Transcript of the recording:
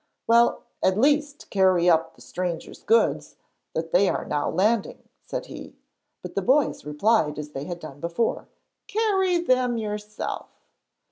'Well, at least carry up the strangers' goods; they are now landing,' said he, but the boys replied as they had done before, 'Carry them yourself.'